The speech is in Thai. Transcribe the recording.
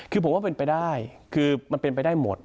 คือผมว่าเป็นไปได้คือมันเป็นไปได้หมด